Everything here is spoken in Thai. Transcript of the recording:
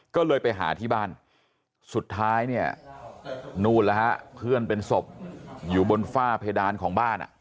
ก็เลยไปหาที่บ้านสุดท้ายเนี่ยนู่นแล้วฮะเพื่อนเป็นศพอยู่บนฝ้าเพดานของบ้านอ่ะ